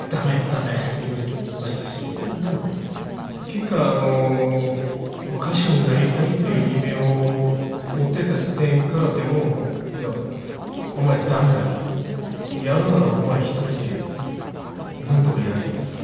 結果歌手になりたいっていう夢を持ってた時点からでも「いやお前ダメだよ」「やるならお前一人でなんとかやれ」みたいな。